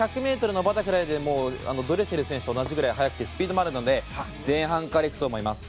１００ｍのバタフライでドレセル選手と同じぐらい速くてスピードもあるので前半からいくと思います。